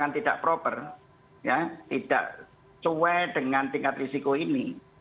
tidak proper tidak sesuai dengan tingkat risiko ini